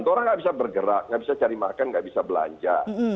orang orang tidak bisa bergerak tidak bisa cari makan tidak bisa belanja